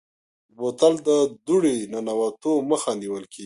بوتل ته د دوړې ننوتو مخه نیول کېږي.